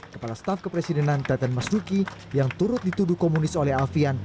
kepala staf kepresidenan teten mas duki yang turut dituduh komunis oleh alfian